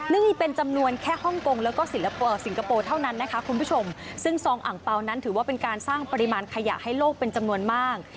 นี่เป็นจำนวนแค่ฮ่องกงแล้วก็สิงคโปร์เท่านั้นนะคะคุณผู้ชมซึ่งซองอ่างเปล่านั้นถือว่าเป็นการสร้างปริมาณขยะให้โลกเป็นจำนวนมาก